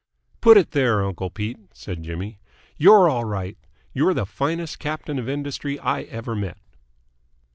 "Put it there, uncle Pete!" said Jimmy. "You're all right. You're the finest Captain of Industry I ever met!"